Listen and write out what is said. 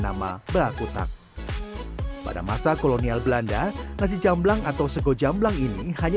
nama baku tak pada masa kolonial belanda nasi jamblang atau sego jamblang ini hanya